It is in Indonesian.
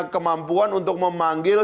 kemampuan untuk memanggil